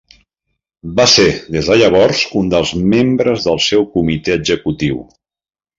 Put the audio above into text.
Va ser des de llavors un dels membres del seu comitè executiu.